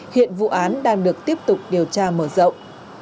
hiện vụ án đang được tiếp tục điều tra mở rộng